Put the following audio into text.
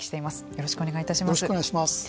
よろしくお願いします。